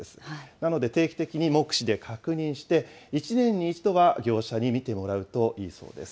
なので、定期的に目視で確認して、１年に１度は業者に見てもらうといいそうです。